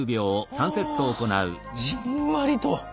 じんわりと。